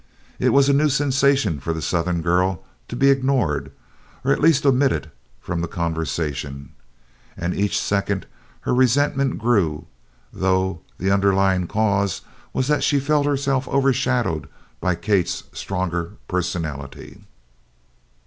It was a new sensation for the southern girl to be ignored, or at least omitted from the conversation, and each second her resentment grew, though the underlying cause was that she felt herself overshadowed by Kate's stronger personality.